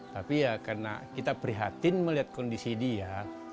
tapi ya karena kita prihatin melihat kondisi dia